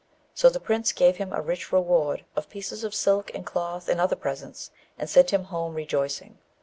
So the prince gave him a rich reward of pieces of silk and cloth and other presents, and sent him home rejoicing.